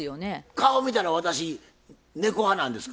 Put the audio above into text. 顔見たら私猫派なんですか？